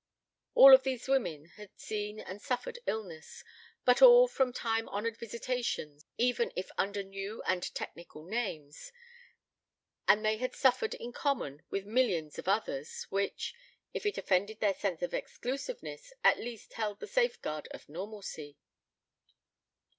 All of these women had seen and suffered illness, but all from time honored visitations, even if under new and technical names, and they had suffered in common with millions of others, which, if it offended their sense of exclusiveness, at least held the safeguard of normalcy.